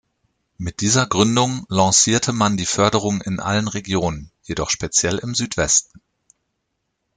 Mit dieser Gründung lancierte man die Förderung in allen Regionen, jedoch speziell im Südwesten.